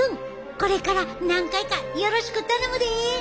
これから何回かよろしく頼むで！